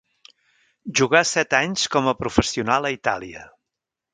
Jugà set anys com a professional a Itàlia.